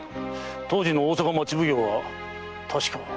当時の大坂町奉行は確か。